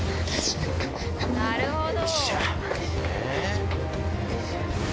なるほど！